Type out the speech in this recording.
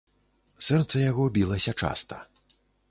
Сэрца яго білася часта.